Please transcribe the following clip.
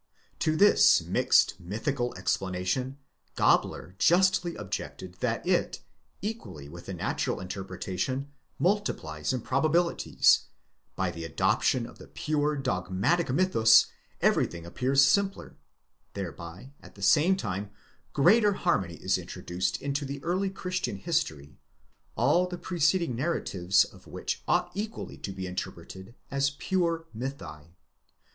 To this mixed mythical explanation Gabler justly objected that it, equally with the natural interpre tation, multiplies improbabilities: by the adoption of the pure, dogmatic mythus, everything appears simpler; thereby, at the same time, greater har mony is introduced into the early christian history, all the preceding narra tives of which ought equally to be interpreted as pure mythi.!